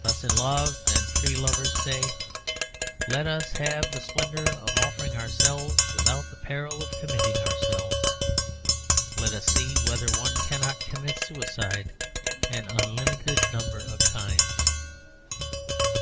Thus in love the free lovers say: 'Let us have the splendour of offering ourselves without the peril of committing ourselves; let us see whether one cannot commit suicide an unlimited number of times.'